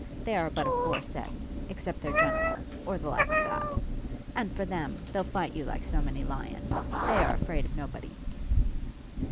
They are but a poor set; except their generals, or the like of that. And, for them, they'll fight you like so many lions. They are afraid of nobody.'